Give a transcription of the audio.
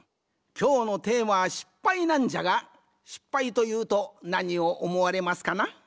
きょうのテーマは「失敗」なんじゃが失敗というとなにをおもわれますかな？